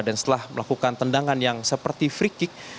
dan setelah melakukan tendangan yang seperti free kick